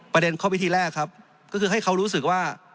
ประเด็นข้อวิธีแรกครับก็คือให้เขารู้สึกว่า